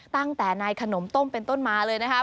ตั้งแต่นายขนมต้มเป็นต้นมาเลยนะครับ